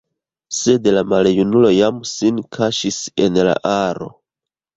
Sed la maljunulo jam sin kaŝis en la aro.